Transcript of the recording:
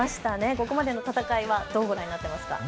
ここまでの戦いはどうご覧になっていますか。